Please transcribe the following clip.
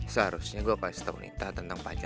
seharusnya gue pasti tahu nita tentang pak jo